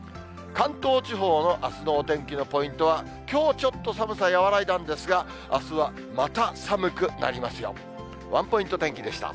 関東地方のあすのお天気のポイントは、きょう、ちょっと寒さ和らいだんですが、あすはまた寒くなりますよ。